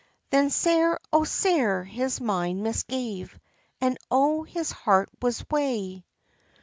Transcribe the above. Then sair, oh sair his mind misgave, And oh, his heart was wae!